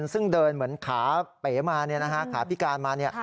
ซึ่งเดินเหมือนขาเป๋มาขาพิการมา